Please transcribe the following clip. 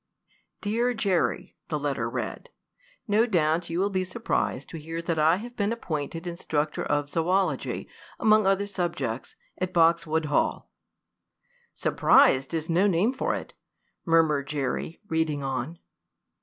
"Dear Jerry," the letter read, "no doubt you will be surprised to hear that I have been appointed instructor of zoology, among other subjects, at Boxwood Hall." "Surprised is no name for it!" murmured Jerry, reading on.